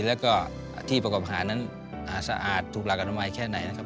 แล้วก็ที่ประกอบอาหารนั้นสะอาดถูกหลักอนามัยแค่ไหนนะครับ